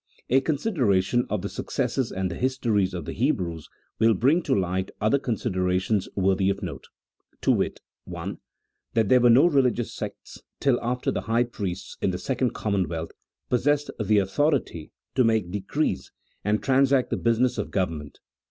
A consideration of the successes and the histories of the Hebrews will bring to light other considerations worthy of note. To wit • I. That there were no religious sects, till after the high priests, in the second commonwealth, possessed the autho rity to make decrees, and transact the business of govern ment.